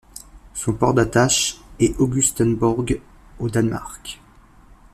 Son port d'attache est Augustenborg au Danemark.